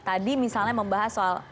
tadi misalnya membahas soal